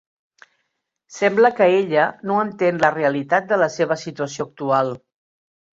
Sembla que ella no entén la realitat de la seva situació actual.